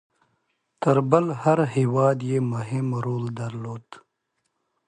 تر بل هر هیواد مهم رول درلودی.